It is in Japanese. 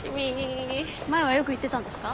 前はよく行ってたんですか？